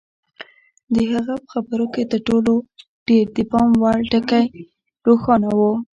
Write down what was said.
د هغه په خبرو کې تر ټولو ډېر د پام وړ ټکی روښانه و.